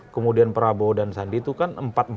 kemudian prabowo dan sandi itu kan empat empat